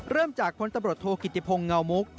เริ่มจากพลตบรสโทษกิจพงษ์เงามุก